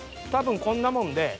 多分こんなもんで。